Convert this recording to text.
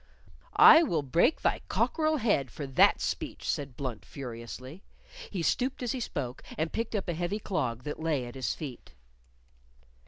"I will break thy cockerel head for that speech," said Blunt, furiously. He stooped as he spoke, and picked up a heavy clog that lay at his feet.